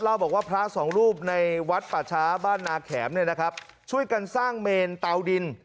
บอกว่าพระสองรูปในวัดป่าช้าบ้านนาแขมเนี่ยนะครับช่วยกันสร้างเมนเตาดิน